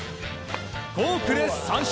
フォークで三振。